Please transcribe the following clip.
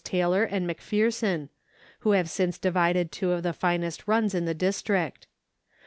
Taylor and McPherson, who have since divided two of the finest runs in the district.